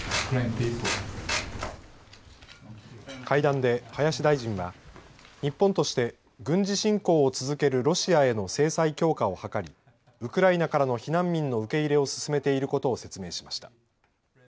会談で林大臣は日本として軍事侵攻を続けるロシアへの制裁強化を図りウクライナからの避難民の受け入れを進めていることを説明しました。